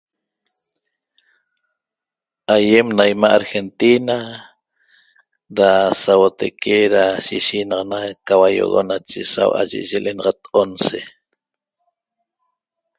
Aiem ena imaa' argentina da sabotaque da da shishiexnaxana ena caioxo sahua' eye lenaxat once